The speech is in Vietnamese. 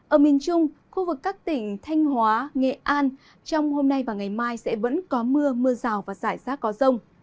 ở miền trung khu vực các tỉnh thanh hóa nghệ an trong hôm nay và ngày mai sẽ vẫn có mưa mưa rào và rải rác có rông